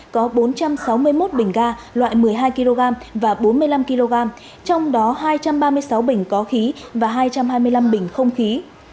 có bốn trăm sáu mươi một bình ga loại một mươi hai kg và bốn mươi năm kg trong đó hai trăm ba mươi sáu bình có khí và hai trăm hai mươi năm bình không khí